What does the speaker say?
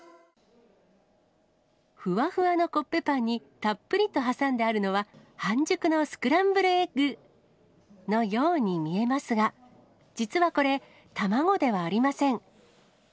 ふわふわのコッペパンにたっぷりと挟んであるのは、半熟のスクランブルエッグのように見えますが、実はこれ、卵ではありません。